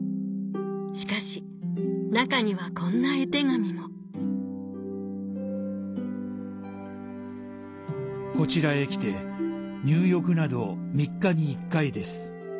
しかし中にはこんな絵手紙も「こちらへ来て入浴など３日に一回です」